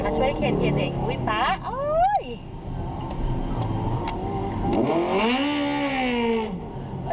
มาช่วยเคนเคนเองอุ๊ยป๊า